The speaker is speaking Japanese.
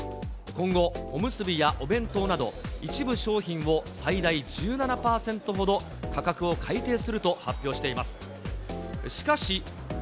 今後、おむすびやお弁当など、一部商品を最大１７％ほど価格を改定すると発表しています。